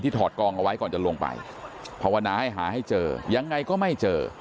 ถอดกองเอาไว้ก่อนจะลงไปภาวนาให้หาให้เจอยังไงก็ไม่เจอ